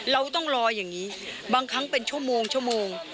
เราต้องรออย่างนี้บางครั้งเป็นชั่วโมงชั่วโมง